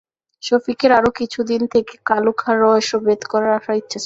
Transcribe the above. সফিকের আরো কিছুদিন থেকে কালু খাঁর রহস্য ভেদ করে আসার ইচ্ছা ছিল।